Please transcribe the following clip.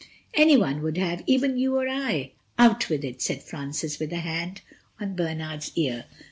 Anyone would have. Even you or I. "Out with it," said Francis, with a hand on Bernard's ear.